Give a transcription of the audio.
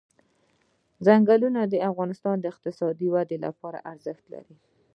ځنګلونه د افغانستان د اقتصادي ودې لپاره ارزښت لري.